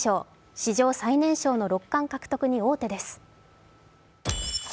史上最年少の六冠獲得に王手です。